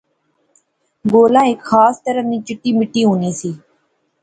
گولا ہیک خاص طرح نی چٹی مٹی ہونی سی